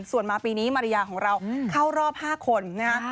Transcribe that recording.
ส่วนมาปีนี้มาริยาของเราเข้ารอบ๕คนนะฮะ